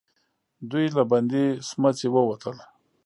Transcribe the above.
دوئ له بندې سمڅې ووتل.